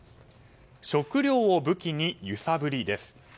食糧を武器に揺さぶりです。